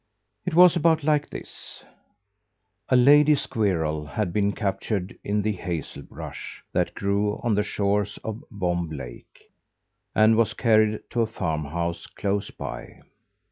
It was about like this: A lady squirrel had been captured in the hazelbrush that grew on the shores of Vomb Lake, and was carried to a farmhouse close by.